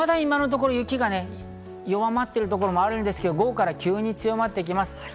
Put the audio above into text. まだ今のところ雪が弱まっているところもあるんですが午後から急に強まってきます。